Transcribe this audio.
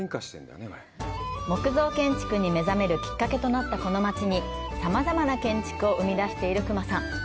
木造建築に目覚めるきっかけとなったこの町にさまざまな建築を生み出している隈さん。